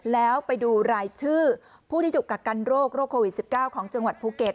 แล้วไปดูรายชื่อผู้ที่ถูกกักกันโรคโรคโควิด๑๙ของจังหวัดภูเก็ต